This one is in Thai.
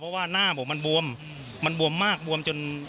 เพราะว่าหน้าผมมันบวมมันบวมมากบวมจน